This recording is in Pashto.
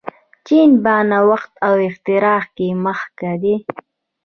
چین په نوښت او اختراع کې مخکښ دی.